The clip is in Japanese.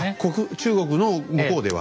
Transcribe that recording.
中国の向こうでは。